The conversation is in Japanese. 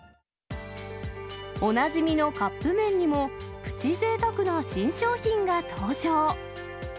おなじみのカップ麺にも、プチぜいたくな新商品が登場。